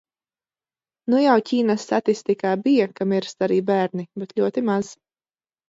Nu jau Ķīnas statistikā bija, ka mirst arī bērni, bet ļoti maz.